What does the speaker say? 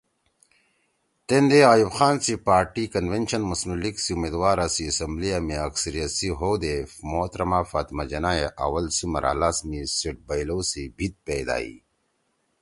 تیندے ایوب خان سی پارٹی کنونشن مسلیم لیگ سی اُمیدوارا سی اسمبلیِا می اکثریت سی ہؤ دے محترمہ فاطمہ جناح ئے اوّل سی مرحلہ می سیِٹ بئیلؤ سی بھیِت پیدا ہی